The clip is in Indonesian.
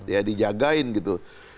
ya dijagain gitu